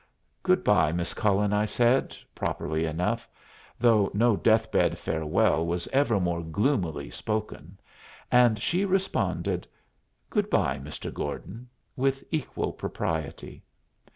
"Good by, Miss Cullen," I said, properly enough, though no death bed farewell was ever more gloomily spoken; and she responded, "Good by, Mr. Gordon," with equal propriety.